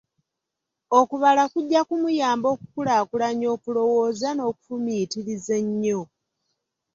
Okubala kujja kumuyamba okukulaakulanya okulowooza n'okufumiitiriza ennyo.